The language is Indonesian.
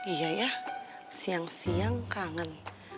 iya ya siang siang kangen